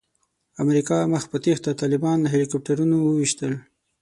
امریکا مخ په تېښته طالبان له هیلي کوپټرونو وویشتل.